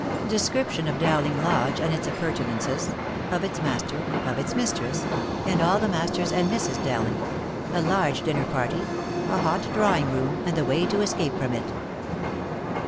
DESCRIPTION OF DOWLING LODGE AND ITS APPURTENANCES OF ITS MASTER — OF ITS MISTRESS AND ALL THE MASTERS AND MISSES DOWLING A LARGE DINNER PARTY A HOT DRAWING ROOM, AND THE WAY TO ESCAPE FROM IT.